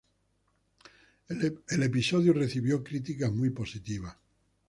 El episodio recibió críticas muy positivas.